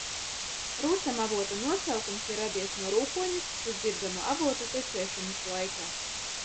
Rūcamavota nosaukums ir radies no rūkoņas, kas dzirdama avota tecēšanas laikā.